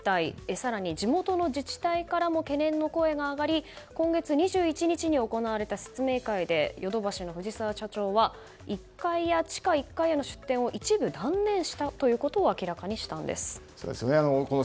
更に、地元の自治体からも懸念の声が上がり今月２１日に行われた説明会でヨドバシの社長は１階や地下１階への出店を一部断念したということを明らかにしたんです。